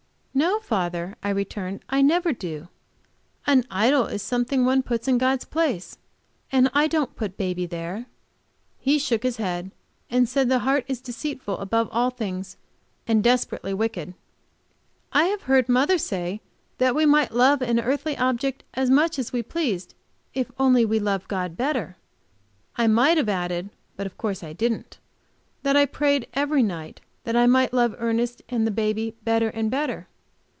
"No, father," I returned, "I never do. An idol is something one puts in God's place, and I don't put baby there." He shook his head and said the heart is deceitful above all things, and desperately wicked. "I have heard mother say that we might love an earthly object as much as we pleased, if we only love God better." I might have added, but of course I didn't; that I prayed every day that I might love Ernest and baby better and better.